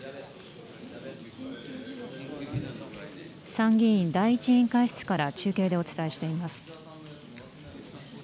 参議院第１委員会室から中継でお伝えしています。